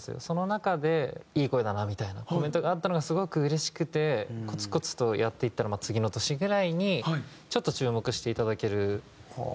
その中で「いい声だな」みたいなコメントがあったのがすごくうれしくてコツコツとやっていったら次の年ぐらいにちょっと注目していただける。